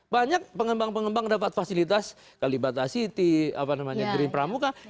banyak pengembang pengembang dapat fasilitas kalibata city apa namanya green pramuka